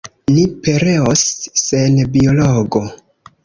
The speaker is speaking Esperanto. Ni pereos sen biologo!